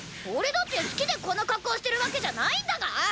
俺だって好きでこんな格好してるわけじゃないんだが！？